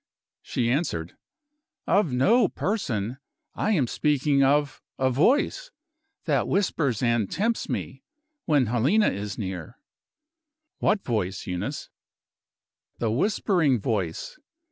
She answered: "Of no person. I am speaking of a Voice that whispers and tempts me, when Helena is near." "What voice, Eunice?" "The whispering Voice.